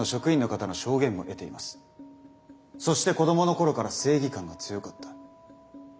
そして子供の頃から正義感が強かった。